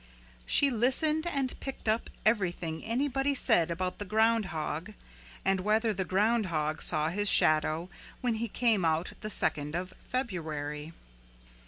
She listened and picked up everything anybody said about the ground hog and whether the ground hog saw his shadow when he came out the second of February.